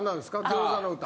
餃子の歌。